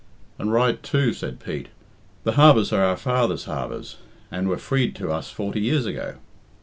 "And right too," said Pete. "The harbours are our fathers' harbours, and were freed to us forty years ago."